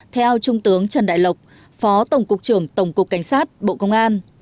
theo trung tướng trần đại lộc phó tổng cục trưởng tổng cục cảnh sát bộ công an